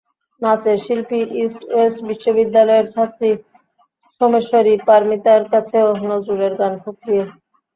নাচের শিল্পী, ইস্টওয়েস্ট বিশ্ববিদ্যালয়ের ছাত্রী সোমেশ্বরী পারমিতার কাছেও নজরুলের গান খুব প্রিয়।